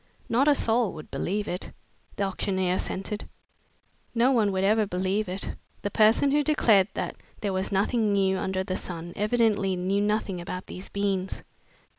"Not a soul would believe it," the auctioneer assented. "No one will ever believe it. The person who declared that there was nothing new under the sun evidently knew nothing about these beans!"